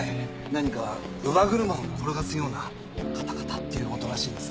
何か乳母車を転がすようなカタカタっていう音らしいんですが。